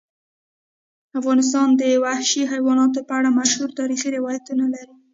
افغانستان د وحشي حیواناتو په اړه مشهور تاریخی روایتونه لري.